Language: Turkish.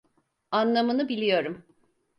Anlamını biliyorum.